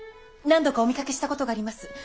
何度かお見かけしたことがあります。